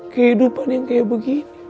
kehidupan yang kayak begini